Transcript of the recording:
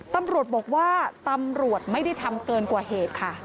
ตำรวจบอกว่าตำรวจไม่ได้ทำเกินกว่าเหตุค่ะ